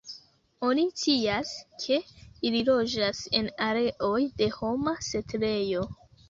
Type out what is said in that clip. Oni scias, ke ili loĝas en areoj de homa setlejo.